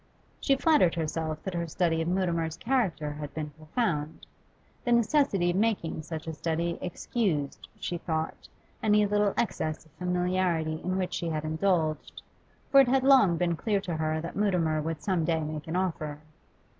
She flattered herself that her study of Mutimer's character had been profound; the necessity of making such a study excused, she thought, any little excess of familiarity in which she had indulged, for it had long been clear to her that Mutimer would some day make an offer.